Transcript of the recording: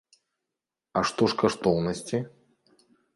А што ж каштоўнасці?